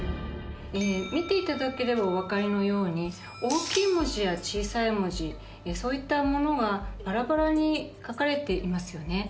見て頂ければおわかりのように大きい文字や小さい文字そういったものがバラバラに書かれていますよね。